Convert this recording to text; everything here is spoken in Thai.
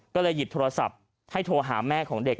ก็เลยหยิบโทรศัพท์ให้โทรหาแม่ของเด็ก